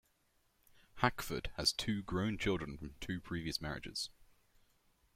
Hackford has two grown children from two previous marriages.